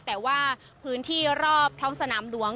แต่ว่าพื้นที่รอบท้องสนามหลวง